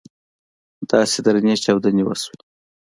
داسې درنې چاودنې وسوې.